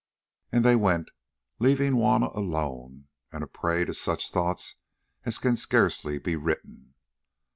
And they went, leaving Juanna alone and a prey to such thoughts as can scarcely be written.